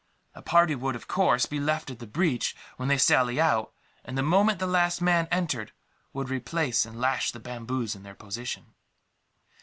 A party would, of course, be left at the breach when they sally out and, the moment the last man entered, would replace and lash the bamboos in their position.